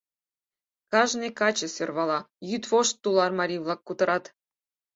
Кажне каче сӧрвала, йӱдвошт тулар марий-влак кутырат.